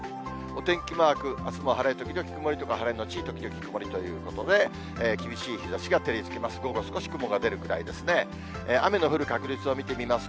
お天気マーク、あすも晴れ時々曇りとか、晴れ後時々曇りということで、厳しい日ざしが照りつけます。